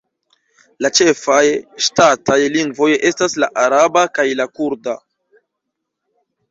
La ĉefaj ŝtataj lingvoj estas la araba kaj la kurda.